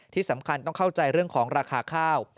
ที่สำคัญต้องเข้าใจเรื่องของราคาข้าว